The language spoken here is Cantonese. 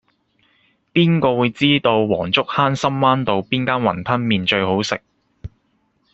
邊個會知道黃竹坑深灣道邊間雲吞麵最好食